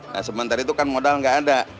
nah sementara itu kan modal nggak ada